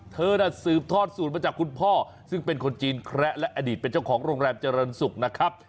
เธอน่ะสืบทอดสูตรมาจากคุณพ่อซึ่งเป็นคนจีนแคระและอดีตเป็นเจ้าของโรงแรมเจริญศุกร์นะครับ